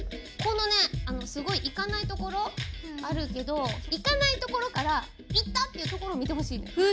このねすごいいかないところあるけどいかないところからいったっていうところをみてほしいのよ。